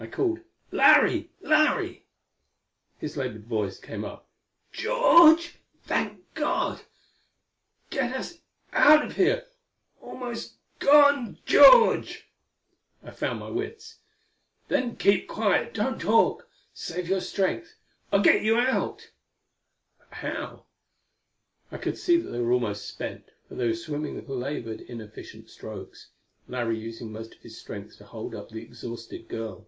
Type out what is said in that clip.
I called, "Larry! Larry!" His labored voice came up. "George? Thank God! Get us out of here. Almost gone, George!" I found my wits: "Then keep quiet! Don't talk. Save your strength. I'll get you out!" But how? I could see that they were almost spent, for they were swimming with labored, inefficient strokes Larry using most of his strength to hold up the exhausted girl.